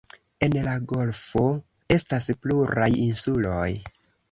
En la golfo estas pluraj insuloj.